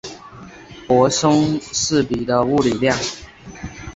泊松式比的物理量。